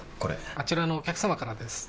あちらのお客様からです。